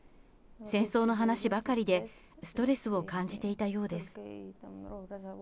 戦争の話ばかりで、ストレスを感じていたようです。